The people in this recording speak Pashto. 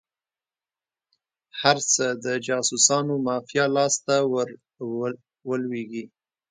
هر څه د جاسوسانو مافیا لاس ته ور ولویږي.